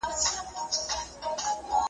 دې تور مارته له خالقه سزا غواړم .